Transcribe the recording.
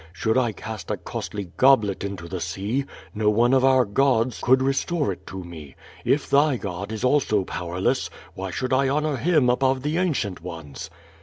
Should I cast a costly goblet into the sea, no one of our gods could restore it to me. If thy God is also power less, why should I honor Him above the ancient ones?"